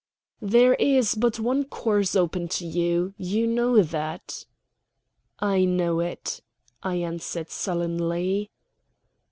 "There is but one course open to you. You know that?" "I know it," I answered sullenly.